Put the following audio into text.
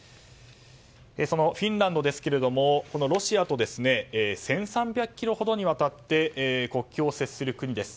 そのフィンランドはロシアと１３００ｋｍにわたって国境を接する国です。